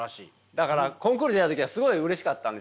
だからコンクール出た時はすごいうれしかったんですよ。